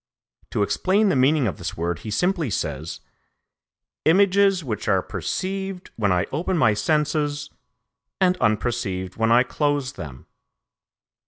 To explain the meaning of this word he simply says: "images which are perceived when I open my senses, and unperceived when I close them."